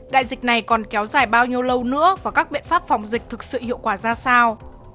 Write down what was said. đại dịch này còn kéo dài bao nhiêu lâu nữa và các biện pháp phòng dịch thực sự hiệu quả ra sao